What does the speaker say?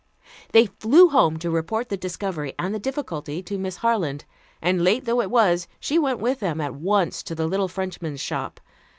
They flew home to report the discovery and the difficulty to Miss Harland, and late though it was, she went with them at once to the little Frenchman's shop.